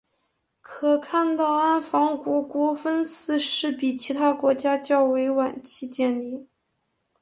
可看到安房国国分寺是比其他国家较为晚期建立。